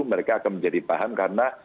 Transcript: mereka akan menjadi paham karena